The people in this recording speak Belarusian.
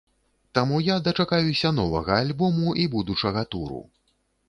Таму я дачакаюся новага альбому і будучага туру.